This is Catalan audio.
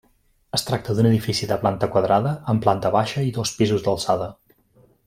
Es tracta d'un edifici de planta quadrada, amb planta baixa i dos pisos d'alçada.